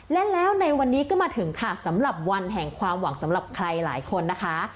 และแล้วในวันนี้ก็มาถึงค่ะสำหรับวันแห่งความหวังสำหรับใครหลายคนนะคะ